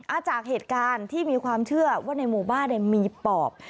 จากเหตุการณ์ที่มีความเชื่อว่าในหมู่บ้านมีปอบ